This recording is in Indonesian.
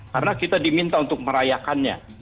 karena kita diminta untuk merayakannya